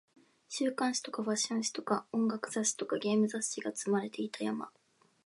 週刊誌とかファッション誌とか音楽雑誌とかゲーム雑誌が積まれていた山